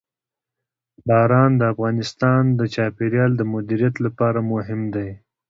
باران د افغانستان د چاپیریال د مدیریت لپاره مهم دي.